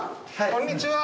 こんにちは。